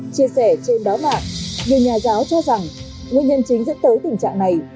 chia sẻ trên báo mạng nhiều nhà giáo cho rằng nguyên nhân chính dẫn tới tình trạng này